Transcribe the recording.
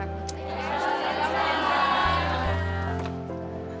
ya pak makasih ya pak